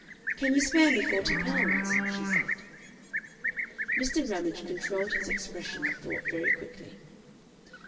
"Can you spare me forty pounds?" she said. Mr. Ramage controlled his expression and thought very quickly.